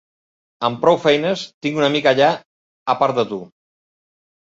Amb prou feines tinc un amic allà a part de tu.